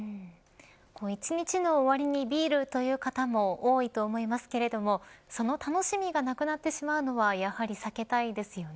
一日の終わりにビールという方も多いと思いますけれどもその楽しみがなくなってしまうのはやはり避けたいですよね。